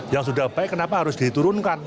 yang sudah baik kenapa harus diturunkan